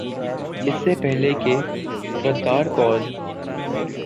اس سے پہلے کہ "غدار کون؟